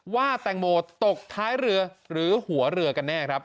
ว่าแตงโมตกท้ายเรือหรือหัวเรือกันแน่ครับ